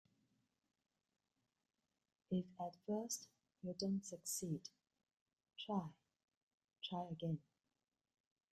If at first you don't succeed, try, try again.